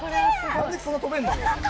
何でそんな跳べんの？